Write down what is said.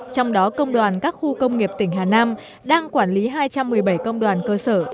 trong đó công đoàn các khu công nghiệp tỉnh hà nam đang quản lý hai trăm một mươi bảy công đoàn cơ sở